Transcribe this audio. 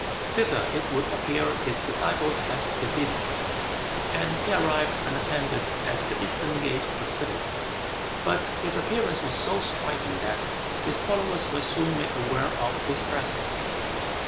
Thither it would appear his disciples had preceded him, and he arrived unattended at the eastern gate of the city. But his appearance was so striking that his followers were soon made aware of his presence.